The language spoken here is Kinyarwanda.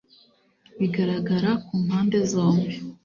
bigaragara ku mpande zombi.